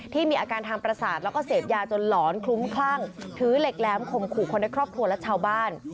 มีอาการทางประสาทแล้วก็เสพยาจนหลอนคลุ้มคลั่งถือเหล็กแหลมข่มขู่คนในครอบครัวและชาวบ้าน